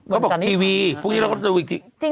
ก็บอกทีวีพรุ่งนี้เราก็จะดูอีกที